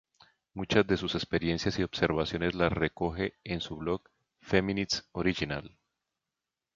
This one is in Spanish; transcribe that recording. Muchas de sus experiencias y observaciones las recoge en su blog "feminist-original".